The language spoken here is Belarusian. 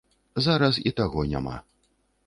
Зараз і таго няма.